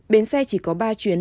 bến xe chỉ có ba chuyển